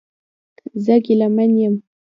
زه ګیلمن یم